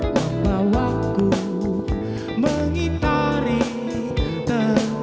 kalau aku mengitari tentangmu